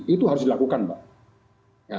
itu harus dilakukan mbak